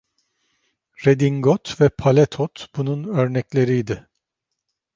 Redingot ve paletot bunun örnekleriydi.